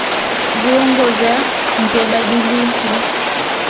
Viungo vya njeBadilisha